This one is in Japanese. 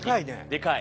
でかい。